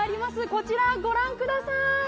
こちら、ご覧ください。